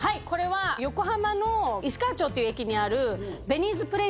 これは横浜の石川町っていう駅にある。